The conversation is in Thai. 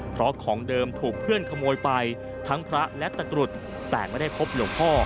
เพราะของเดิมถูกเพื่อนขโมยไปทั้งพระและตะกรุดแต่ไม่ได้พบหลวงพ่อ